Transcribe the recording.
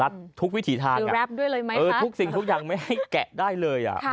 ลัดทุกวิถีทางทุกสิ่งทุกอย่างไม่ให้แกะได้เลย